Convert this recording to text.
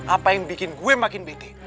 apa yang bikin gue makin bete